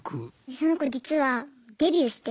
その子実はデビューして。